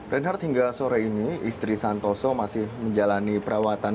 reinhard hingga sore ini istri santoso masih menjalani perawatan